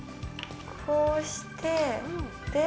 こうして、で？